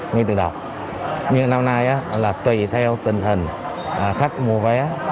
như tôi đọc nhưng năm nay là tùy theo tình hình khách mua vé